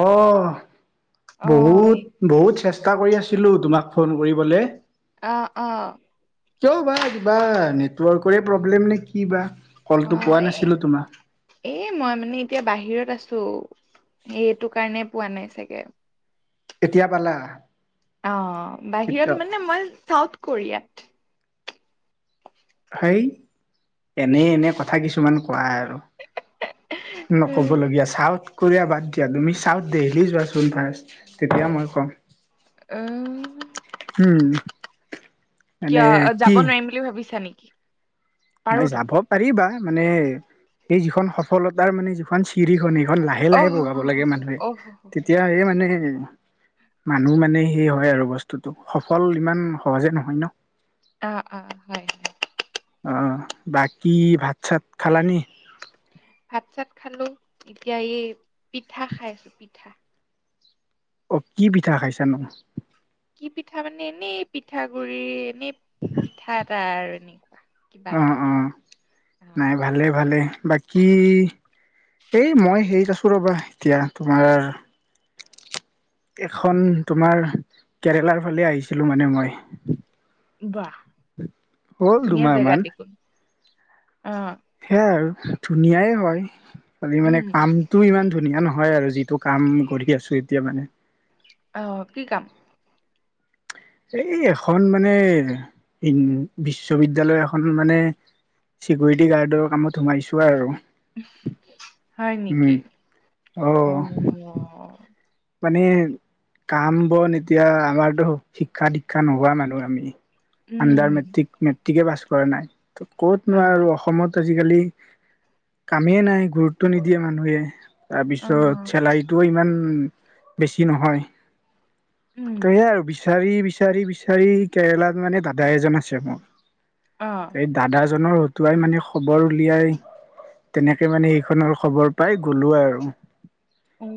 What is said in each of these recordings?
অ! বহুত-বহুত চেষ্ট- ষ্টা কৰি আছিলো তোমাক ফোন কৰিবলে অ অ কিয় বা কিবা নেটৱৰ্কৰে প্ৰব্লেম নে কি বা। অ! কলটো পোৱা এ নাছিলো তোমাক এই মই মানে এতিয়া বাহিৰত আছোঁ। সেই এইটো কাৰণে পোৱা নাই চাগে। এতিয়া পালা অ' এতিয়া বাহিৰত মানে মই চাউথ কোৰিয়াত। সেই এনে এনে কথা কিছুমান কোৱা আৰু নক'বলগীয়া চাউথ কোৰিয়া বাদ দিয়া তুমি সাউথ দেলহী যোৱা চোন ফাৰ্ষ্ট তেতিয়া মই কম, উম উম! মানে কিয় কি যাব নোৱাৰিম বুলি ভাবিছা নেকি? নাই পাৰোতো যাব পাৰিবা মানে সেই যিখন সফলতাৰ মানে যিখন চিৰিখনি এখন লাহে অ লাহে হ হ বগাব হ লাগে মানুহে অ হ হ হ। তেতিয়া সে মানে মানুহ মানে সেই হয় আৰু বস্তুতো সফল ইমান সহজে নহয় ন। অ অ হয় হয় অ বাকী ভাত চাত খালানে। ভাত - চাত খালো এতিয়া এই পিঠা খাই আছো পিঠা। অ কি পিঠা খাইছানো কি পিঠা মানে এনেই পিঠা গুৰি এনেই পিঠা এটা আৰু এনেকোৱা অ কিবা এটা অ অ নাই ভালে-ভালে বাকী কি এই মই হেৰিত আছো ৰবা এতিয়া তোমাৰ এখন তোমাৰ কেৰেলাৰ ফালে আহিছিলো মানে মই বাহ হ'ল ধুনীয়া দুমাহ মান জেগাত দেখোন। অ সেয়াই আৰু ধুনীয়াই হয় খালি মানে উম কামটোও ইমান ধুনীয়া ন হয় আৰু যিটো কাম কৰি আছো এতিয়া মানে অহ কি কাম এ এখন মানে [unintelligible] বিশ্ববিদ্যয়ালয় এখন মানে চিকিউৰিটি গাৰ্ডৰ কামত সোমাইছো আৰু। হয় উম নেকি অ মানে কাম -বন এতিয়া আমাৰতো শিক্ষা- দীক্ষা নোহোৱা মানুহ আমি। আণ্ডাৰ উম মেট্ৰিক মেট্ৰিকে পাছ কৰা নাই ত ক'ত অ নোৱা আৰু অসমত আজিকালি কামেই নাই গুৰুত্ব নিদিয়ে মানুহে অ তাৰপিছত চেলাৰীটো ইমান বেছি নহয়। উম ত' হেয়ে আৰু বিচাৰি - বিচাৰি - বিচাৰি কেৰেলাত মানে দাদা এজন আছে অ মোৰ এই দাদাজনৰ হতুৱাই মানে খবৰ উলিয়াই তেনেকে মানে সেইখনৰ খবৰ পাই গ'লো আৰু। অ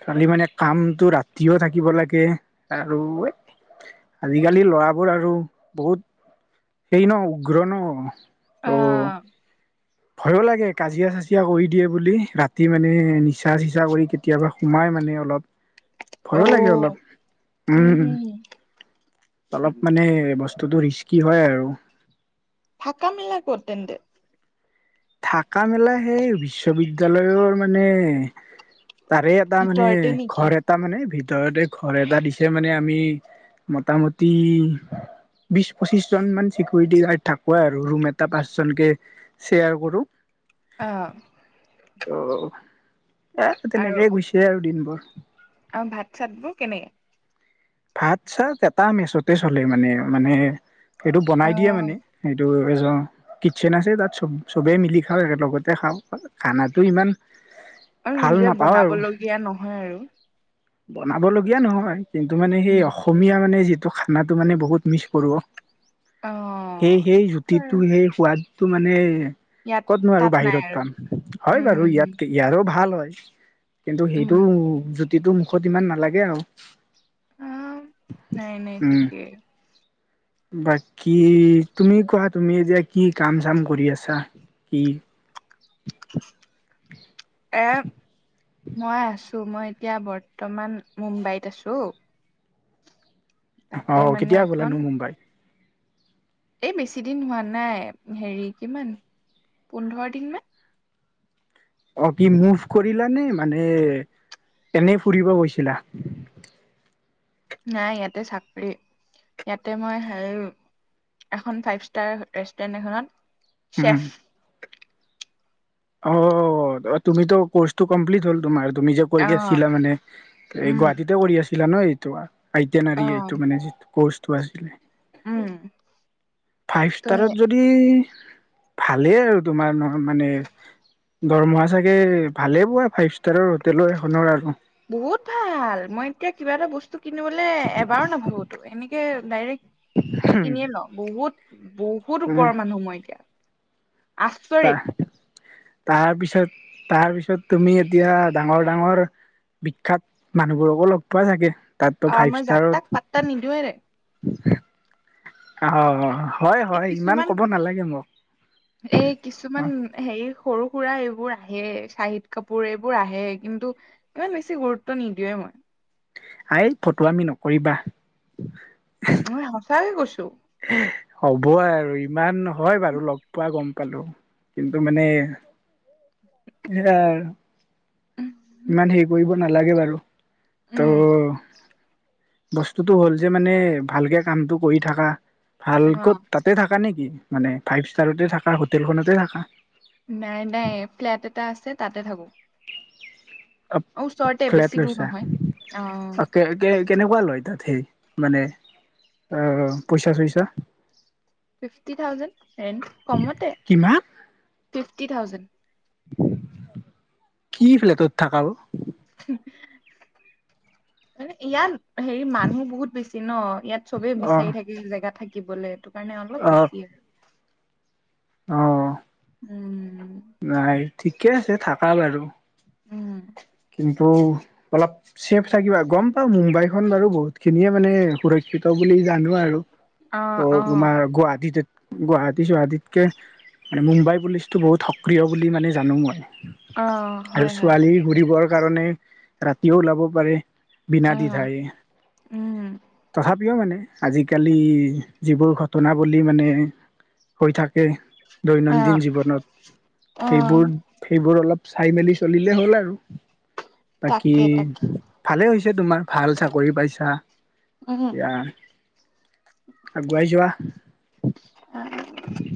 খালি মানে কামতটো ৰাতিও থাকিব লাগে আৰু আজিকালি লৰাবোৰ আৰু বহুত সেই ন উগ্ৰ ন অহ, ভয় লাগে কাজিয়া চাজিয়া কৰি দিয়ে বুলি ৰাতি মানে নিচা চিচা কৰি কেতিয়াবা সোমাই মানে অলপ অ ভয়ো লাগে অলপ উম অলপ উম। মানে ব স্তুটো ৰিস্কি হয় আৰু থকা মেলা কত তেন্তে দে থাকা মেলা সেই বিশ্ববিদ্যালয়ৰ মানে তাৰে এটা মানে ভিতৰতে নেকি ঘৰ এটা মানে ভিত তৰতে ঘৰ এটা দিছে মানে আমি মোটামুটি বিশ পঁচিশ জন মান চিকিউৰিটি গাৰ্ড থাকবই আৰু ৰুম এটা পাঁচজনকে শ্বেয়াৰ কৰো অহ ত' আৰু এ'তেনেকেই গৈছে আৰু দিনবোৰ। আৰু ভাত চাত বোৰ কেনেকে ভাত চাত এটা মেচতে চলে মানে মানে সেইটো অ বনাই দিয়ে মানে সেইটো কিটচেন আছে তাত চ চবে মিলি খাওঁ একেলগতে খাওঁ খানাটো ইমান আৰু ভাল নিজে বনাব লগগীয়া নহয় আৰু। বনাব লগীয়া নহয় কিন্তু মানে সেই উম অসমীয়া মানে যিটো। ত 'খানাটো মানে বহুত মিছ কৰো অ সেই -সেই এইটোতো জুতিটো আৰু সেই সোৱাদ তো মানে ইয়াত ক'তনো আৰু তাত নাই বাহিৰত আৰু পাম হয় বাৰু ইয়াত উম ইয়াৰো ভাল হয়। কিন্তু সেইটো উম জুতিটো মুখত ইমান নালাগে আৰু। অ নাই নাই উম ঠিকেই। বাকী তুমি কোৱা তুমি এতিয়া কি কাম চাম কৰি আছা। উম। এ মই আছ। মই এতিয়া বৰ্তমান মুম্বাইত আছো। তাতে আহ মানে কেতিয়া এখন গ'লনো মুম্বাই? এই বেছি দিন হোৱা নাই হেৰি কিমান পোন্ধৰ দিন মান। অ কি মুভ কৰিলানে মানে - এনেই ফুৰিব গৈছিলা? নাই ইয়াতে চাকৰি, ইয়াতে মই হায়ি এখন ফাইভ ষ্টাৰ ৰেষ্টুৰেণ্ট এখনত। চেফ হম। অহ, তুমিতো কৰ্চটো কমপ্লিট হল তোমাৰ। তুমি যে অ কৰি আছিলা মানে এই উম গুৱাহাটীতে কৰি আছিলা ন' এইটো, আইটন অ এইটো মানে যি কচটো আছিলে। উম। ফাইভ ত ষ্টাৰত যদি ভালেই আৰু তোমাৰ মানে দৰমহা চাগে ভালে পোৱা ফাইভ ষ্টাৰৰ হোটেলৰ এখনৰ আৰু বহুত ভাল মই এতিয়া কিবা এটা বস্তু কিনিবলৈ এবাৰো নাভাবোতো এনেকে ডাইৰেক কিনিয়ে উম ন বহুত বহুত ওপৰৰ মানুহ মই এতিয়া। আচৰিত তাৰ তাৰ পিছত তাৰ পিছত তুমি এতিয়া ডাঙৰ- ডাঙৰ বিখ্যাত মানুহবোৰকো লগ পোৱা চাগে। তাতটো আহ ফাইভ মই যাক তাক ষ্টাৰত পাত্তা নিদিওঁৱে অঁ। এই কিছুমান এই অ কিছুমান হেৰি সৰু- সুৰা এইবোৰ আহে চাহিদ কাপোৰ এইবোৰ আহে কিন্তু ইমান বেছি গুৰুত্ব নিদিওয়ে মই। আয় ফটোৱামি নকৰিবা? মই সঁচাকে কৈছো। হ'ব আৰু ইমানহয় বাৰু লগ পোৱা গম। কালো কিন্তু মানে ইয়াৰ। উম ইমান হেৰি কৰিব নালাগে বাৰু উম, ত'। বস্তুতটো হ'ল যে মানে ভালকে কামটো কৰি থাকা। ভাল অ ক'ত তাতে থাকা নেকি মানে ফাইভ ষ্টাৰতে থাকা হোটেলখনতে থাকা। নাই নাই ফ্লেট এটা আছে তাতে থাকো। অ ওচৰতে ফ্লেট বেছি দূৰ লৈছা নহয় অ কে কে কেনেকুৱা লৈ। তাত সেই মানে পইচা চইচা চিষ্টি থাউজেন ৰেন্ত কমতে কিমান ফিফটি থাউজেন। কি ফ্লেটত থাকা। ম ইয়াত হেৰি মানুহ বহুত বেছি ন ইয়াত। চবে অ বিচাৰি থাকে জেগা থাকিবলে এইটো কাৰণে অলপ বেছি আৰু। অঁ। উম। ঠিকে আছে থাকা বাৰু। উম। অলপ ছেফ থাকিবা গম পাওঁ মুম্বাই খন বাৰু বহুত খিনিয়ে মানে সুৰক্ষিত বুলি। বুলি জানো আৰু অ অ ত' তোমাৰ গুৱাহাটীত। গুৱাহাটী চুৱাহাটীতকে মানে মুম্বাই পুলিচতটো বহুত সক্ৰিয় বুলি মানে জানো মানে। অ হয় হয় কাৰণে ৰাতিও ওলাব পাৰে বিনা দি্ব অ ঠাই উম। তথাপি। মানে আজিকালি যিবোৰ ঘটনা বুলি মানে হৈ থাকে। দৈনন্দিন অ', জীৱনত অ', সেইবোৰ সেইবোৰ অলপ। চাই মেলি চলিলে হ'ল আৰু বাকী তাকে তাকে ভালে হৈছে তোমাৰ ভাল চাকৰি পাইছা? উম, এতিয়া আগুৱাই যোৱা।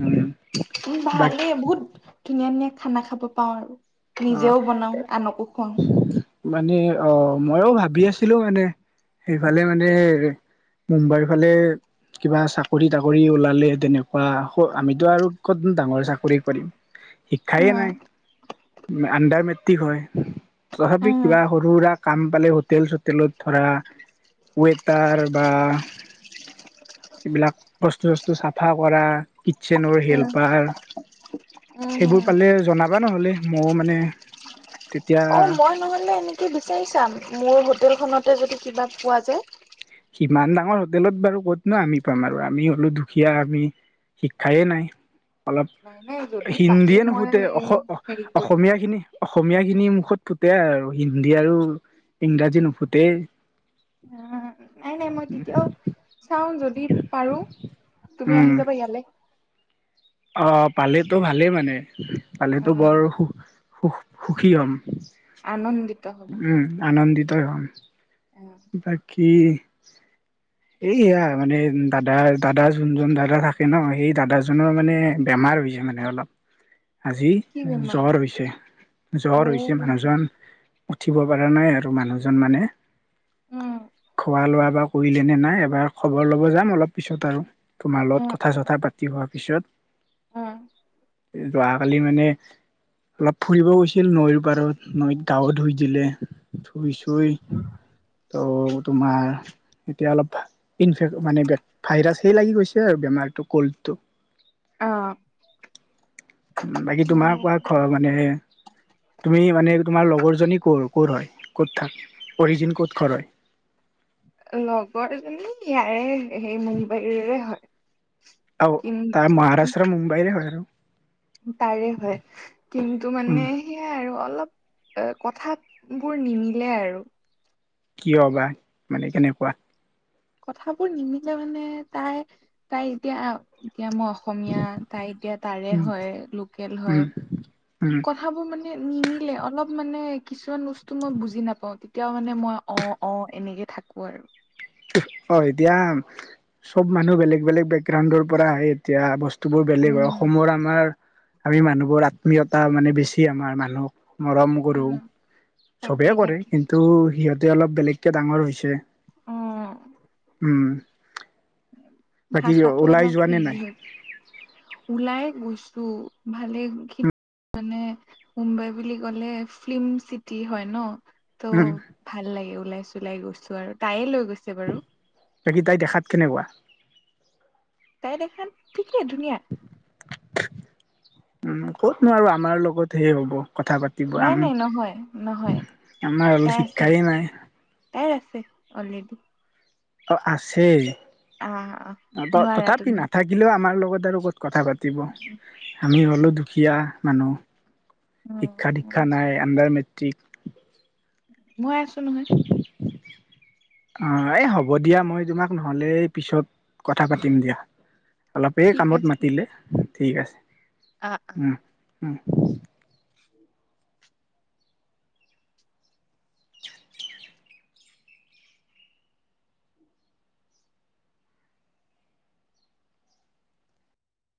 উম উম বাক ভালেই বহুত ধুনীয়া ধুনীয়া। খানা খাব পাওঁ আৰু অ নিজেও বনাও আনকো খুৱাওঁ মানে অ মইও ভাবি আছিলো মানে সেইফালে মানে। মুম্বাইৰ ফালে। কিবা চাকৰি তাকৰি ওলালে তেনেকুৱা আমিতো আৰু কত ডাঙৰ চাকৰি কৰিম অ শিক্ষাইয়ে নাই আণ্ডাৰ মেট্ৰিক হয়। অ তথাপি কিবা সৰু সুৰা কাম পালে হোটেল চোটেলত ধৰা ৱেতাৰ বা। এইবিলাক বস্তু চস্তু চাফা কৰা কিটচেনৰ উম, হেল্পাৰ সেইবোৰ হম, পালে জনাবা নহ'লে, মইও মানে তেতিয়া অ মই নহলে এনেকে বিচাৰি চাম মোৰ হোটেলখনত। ততে যদি কিবা পোৱা যায়। ইমান ডাঙৰ হোটেলত বাৰু ক'তনো আমি পাম আৰু আমি হলো দুখীয়া আমি। শিক্ষাই নাই। নাই নাই অলপ যদি পাৰো হিন্দীয়ে মই নুফুতে অ হেৰি কৰিম। অসমীয়া খিনি অসমীয়া খিনি মুখত ফুতে আৰু হিন্দী আৰু ইংৰাজী নুফুতে অ নাই নাই মই তেতিয়াও চাও যদি। দি পাৰো তুমি উম আহি যাবা ইয়ালৈ অ পালেতো ভালেই মানে পালেতো অ', বৰ সু সুখী হম। আনন্দিত হবা। উম আনন্দিতই হ'য় অ', বাকী এইয়া মানে দাদাৰ দাদা যোনজন দাদা থাকে ন সেই দাদাজনৰ মানে বেমাৰ। বিজী [unintelligible] অলপ। আজি কি বেমাৰ? জ্বৰ হৈছে অ'। জ্বৰ হৈছে মানুহজন। উঠিব পৰা নাই আৰু মানুহজন মানে। উম। খোৱা লোৱা বা কৰিলেনে নাই, এবাৰ খবৰ ল'ব যাম অলপ পিছত আৰু তোমাৰ লগত কথা চথা পাতিবৰ পিছত অ যোৱাকালি মানে অলপ ফুৰিব গৈছিল নৈৰ পাৰত, নৈত গাৱত ধুই দিলে। শুইছই ত' তোমাৰ। এতিয়া অলপ ইনফেক মানে ভাইৰাছ হে লাগি গৈছে আৰু বেমাৰটো কল্ডটো অ বাকী উম তোমাৰ কোৱা ঘ মানে তুমি মানে। তোমাৰ লগৰজনী কৰ' ক'ৰ হয় ক'ত থাক অৰিজিন ক'ত ঘৰ হয় লগৰজনী ইয়াৰে সেই মুম্বাইৰে হয়। আও তাৰ কিন্তু মহাৰাষ্ট্ৰ মুম্বাইৰে হয়। তাৰে হয় কিন্তু উম মানে সেইয়াই আৰু অলপ তে কথাত বোৰ নিমিলে আৰু। কিয় বা মানে কেনেকুৱা। কথাবোৰ নিমিলে মানে তাই তাই এতিয়া। এতিয়া মই অসমীয়া তাই এতিয়া তাৰে উম হয় লোকেল উম হয়। উম কথাবোৰ মানে নিমিলে অলপ মানে। কিছুমান বস্তু মই বুজি নাপাও তেতিয়াও মানে মই অ অ এনেকে থাকো আৰু। অ এতিয়া চব মানুহ বেলেগ বেলেগ বেকগ্ৰাউণ্ডৰ পৰা আহে এতিয়া বস্তু। বস্তুবোৰ বেলেগ উম হয় সমৰ আমাৰ আমি মানুহবোৰ আত্মীয়তা মানে বেছি আমাৰ মানুহ। মৰম কৰো উম চবেই তাকেই কৰে তাকেই কিন্তু সিহঁতে অলপ বেলেগকে ডাঙৰ হৈছে? উম। বাকী ভাষা টো ওলাই অলপ যোৱা নে হেৰি নাই হে, ওলাই। উম ভালে খিনি। মানে মুম্বাই বুলি ক'লে ফিল্ম চিটি হয় ন? ত' উম ভাল লাগে ওলাই চোলাই গৈছো আৰু তাইে লৈ গৈছ। বাকী তাই দেখাত কেনেকুৱা। তাই দেখান ঠিকেই ধুনীয়া। উম ক'ত নোৱাৰো আমাৰ লগত হে হ'ব। কথা পাতিব নাই আমি নাই নহয় নহয় আমাৰ হল শিক্ষাই নাই। অলৰেড। অ আছে আহ অ নোৱাৰা তথাপি তুমি নাথাকিলেও আমাৰ লগত। লগ লগত কথা পাতিব আমি হ'লো দুখীয়া মানুহ। শিক্ষা উম নীক্ষা নাই আণ্ডাৰ মেট্ৰিক। মই আছো নহয়। [unintelligible] অ এই হ'ব দিয়া মই তোমাক নহ'লে পিছত কথা পাতিম দিয়া। অলপেই ঠিক কামত আছে মাতিলে ঠিক আছে। আহ আঁহ। উম উম।